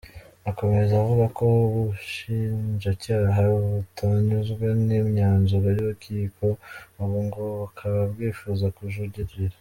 Akomeza avuga ko ubushinjacyaha butanyuzwe n’imyanzuro y’urukiko, ubu ngo bukaba bwifuza kujurira.